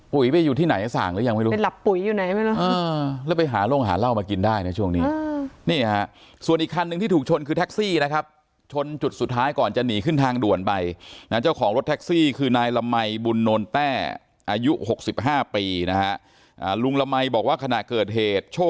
ไปอยู่ที่ไหนสั่งหรือยังไม่รู้ไปหลับปุ๋ยอยู่ไหนไม่รู้แล้วไปหาโรงหาเหล้ามากินได้นะช่วงนี้นี่ฮะส่วนอีกคันหนึ่งที่ถูกชนคือแท็กซี่นะครับชนจุดสุดท้ายก่อนจะหนีขึ้นทางด่วนไปนะเจ้าของรถแท็กซี่คือนายละมัยบุญโนนแต้อายุ๖๕ปีนะฮะลุงละมัยบอกว่าขณะเกิดเหตุโช